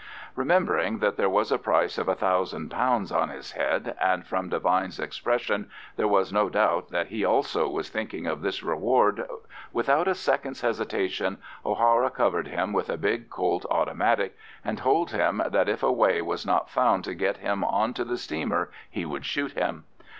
Remembering that there was a price of £1000 on his head, and from Devine's expression there was no doubt that he also was thinking of this reward, without a second's hesitation O'Hara covered him with a big Colt automatic, and told him that if a way was not found to get him on to the steamer he would shoot him.